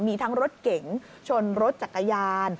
มีทั้งรถเก๋งชนรถจักรยาน